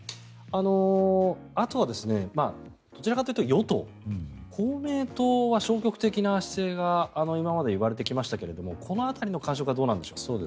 あとはどちらかというと与党、公明党は消極的な姿勢が今まで言われてきましたがこの辺りの感触はどうなんでしょう。